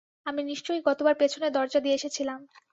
আমি নিশ্চয়ই গতবার পেছনের দরজা দিয়ে এসেছিলাম।